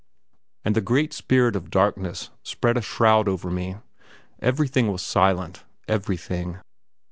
And the great spirit of darkness spread a shroud over me ... everything was silent everything.